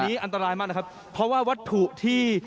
อันนี้อันตรายมากนะครับเพราะว่าวัตถุที่